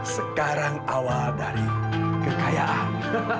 sekarang awal dari kekayaan